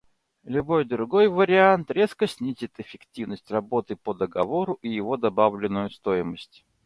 Любой другой вариант резко снизит эффективность работы по договору и его добавленную стоимость.